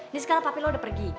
ini sekarang papi lo udah pergi